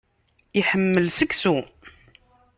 Iḥemmel seksu.